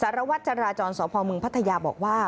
สารวัตรจราจรสพมพัทยาบอกว่า